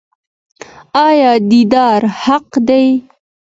آیا دیدار حق دی؟